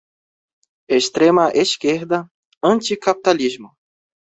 Extrema-esquerda, anticapitalismo